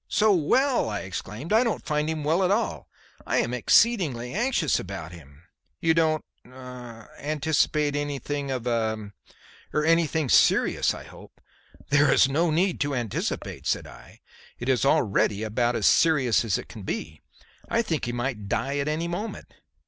"So well!" I exclaimed. "I don't find him well at all. I am exceedingly anxious about him." "You don't er anticipate anything of a er anything serious, I hope?" "There is no need to anticipate," said I. "It is already about as serious as it can be. I think he might die at any moment."